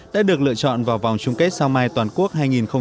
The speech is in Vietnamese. đã được lựa chọn vào vòng chung kết sao mai toàn quốc hai nghìn một mươi chín